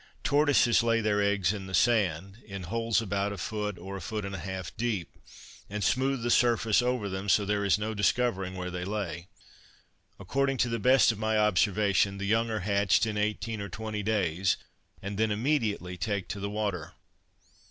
Tortoises lay their eggs in the sand, in holes about a foot or a foot and a half deep, and smooth the surface over them, so that there is no discovering where they lie. According to the best of my observation, the young are hatched in eighteen or twenty days, and then immediately take to the water.